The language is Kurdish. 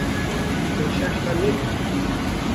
Min şaş fehm nekin